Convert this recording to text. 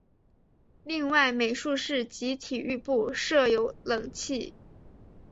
另外美术室及体育部增设冷气。